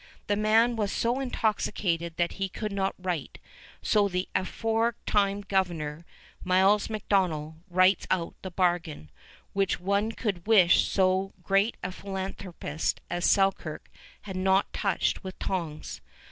The man was so intoxicated that he could not write, so the afore time governor, Miles MacDonell, writes out the bargain, which one could wish so great a philanthropist as Selkirk had not touched with tongs.